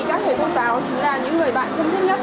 các người cô giáo chính là những người bạn thân thích nhất